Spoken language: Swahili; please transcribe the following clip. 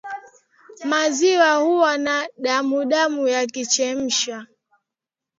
Maziwa huwa na damudamu yakichemshwa